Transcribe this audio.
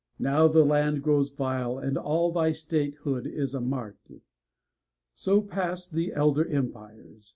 Now the land Grows vile, and all thy statehood is a mart. So passed the elder empires.